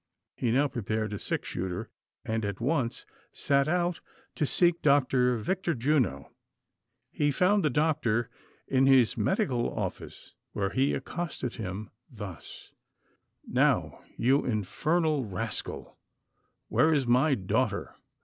He now prepared a six shooter, and at once sat out to seek Dr. Victor Juno ; he found the doctor in his medical oflfice, when he accosted him thus :" Now, you infernal rascal, where is my daughter